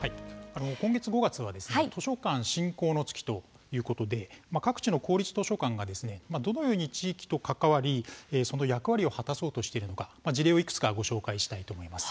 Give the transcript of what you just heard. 今月５月は図書館振興の月ということで各地の公立図書館がどのように地域と関わり役割を果たそうとしているのか事例をいくつか紹介したいと思います。